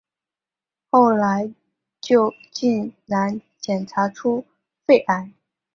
后来就竟然检查出肺癌